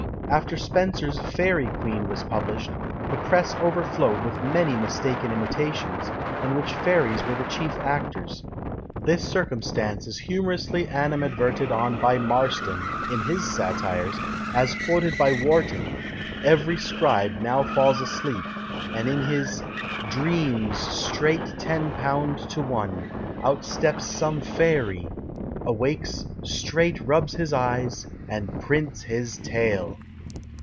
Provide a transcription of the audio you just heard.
After Spenser's "Faerie Queen" was published, the press overflowed with many mistaken imitations, in which fairies were the chief actors this circumstance is humorously animadverted on by Marston, in his satires, as quoted by Warton: every scribe now falls asleep, and in his dreams, straight tenne pound to one Outsteps some fairy Awakes, straiet rubs his eyes, and PRINTS HIS TALE.